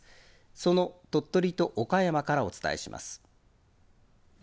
その鳥取と岡山からお伝えします。